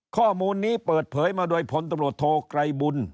ข้อมูลนี้เปิดเผยมาโดยพลตำรวจโทไกรบุญ